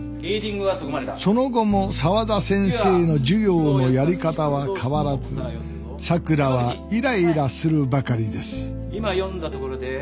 その後も沢田先生の授業のやり方は変わらずさくらはイライラするばかりです